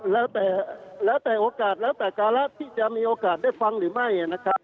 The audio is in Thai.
แล้วแต่แล้วแต่โอกาสแล้วแต่การะที่จะมีโอกาสได้ฟังหรือไม่นะครับ